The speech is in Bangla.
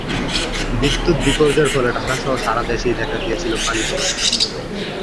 বিদ্যুত বিপর্যয়ের ফলে ঢাকা সহ সাড়া দেশেই দেখা দিয়েছে পানি সমস্যা।